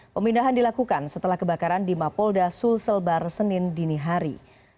pemindahan dilakukan setelah kebakaran di mapolda sulselbar senin dinihari